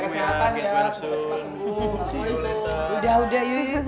cepet sembuh ya